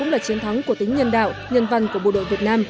là chiến thắng của tính nhân đạo nhân văn của bộ đội việt nam